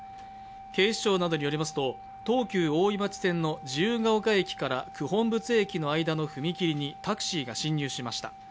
警視庁などによりますと、東急大井町線の自由が丘駅から九品仏駅の間の踏み切りにタクシーが進入しました。